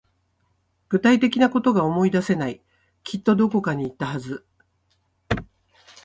具体的なことが思い出せない。きっとどこかに行ったはず。